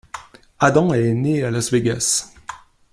Adam est né à Las Vegas.